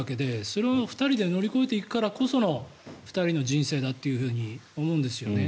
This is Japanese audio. それを２人で乗り越えていくからこその２人の人生だと思うんですよね。